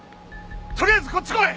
とりあえずこっち来い！